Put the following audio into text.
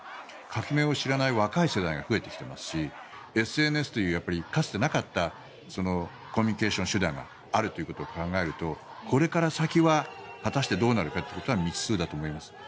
革命を知らない若い世代が増えてきていますしＳＮＳっていう、かつてなかったコミュニケーション手段があるということを考えるとこれから先は果たしてどうなるかは未知数だと思います。